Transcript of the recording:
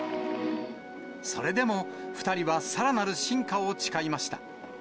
それでも２人はさらなる進化を誓いました。